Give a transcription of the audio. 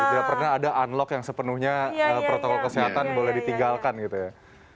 tidak pernah ada unlock yang sepenuhnya protokol kesehatan boleh ditinggalkan gitu ya